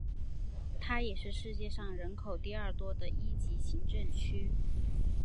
它也是世界上人口第二多的一级行政区。